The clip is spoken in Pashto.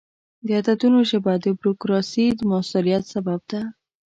د عددونو ژبه د بروکراسي د موثریت سبب ده.